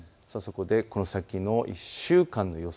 この先の１週間の予想